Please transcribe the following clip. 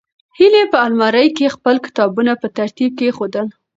هیلې په المارۍ کې خپل کتابونه په ترتیب کېښودل.